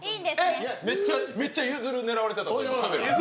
めっちゃゆずる狙われてた。